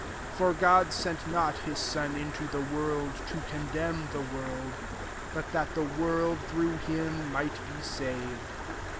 17 For God sest not his Son into the woiid^ to condemn the world ; but that the world, through hkn, might be saved.